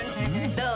どう？